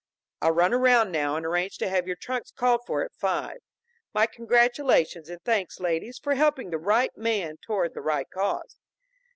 "I'll run around now and arrange to have your trunks called for at five. My congratulations and thanks, ladies, for helping the right man toward the right cause."